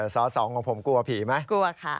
สอสองของผมกลัวผีไหม